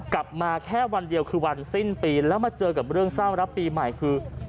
กลับมาแค่วันเดียวคือวันสิ้นปีแล้วมาเจอกับเรื่องเศร้ารับปีใหม่คือ